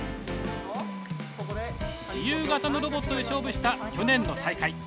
自由形のロボットで勝負した去年の大会。